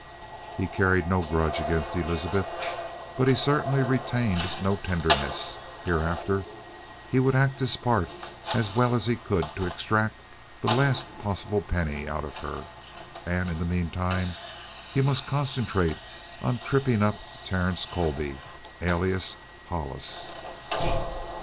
He carried no grudge against Elizabeth, but he certainly retained no tenderness. Hereafter he would act his part as well as he could to extract the last possible penny out of her. And in the meantime he must concentrate on tripping up Terence Colby, alias Hollis.